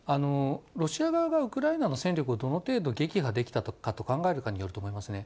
ロシア側がウクライナの戦力をどの程度撃破できたと考えるかによると思いますね。